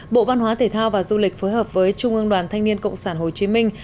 bộ văn hóa thể thao và du lịch phối hợp với trung ương đoàn thanh niên cộng sản hồ chí minh